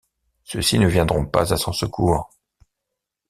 Ceux-ci ne viendront pas à son secours.